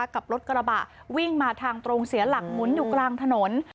กับรถกระบะวิ่งมาทางตรงเสียหลักหมุนอยู่กลางถนน